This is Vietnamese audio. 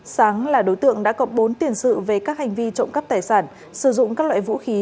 sáng là đối tượng đã có bốn tiền sự về các hành vi trộm cắp tài sản sử dụng các loại vũ khí